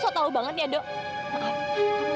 saya tahu banget ya dok